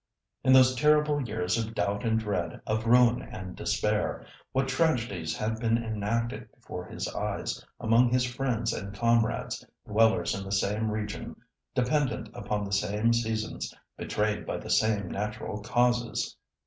In those terrible years of doubt and dread, of ruin and despair, what tragedies had been enacted before his eyes, among his friends and comrades, dwellers in the same region, dependent upon the same seasons, betrayed by the same natural causes!